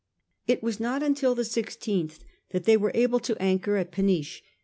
It was not until the 16th that they were able to anchor at Peniche.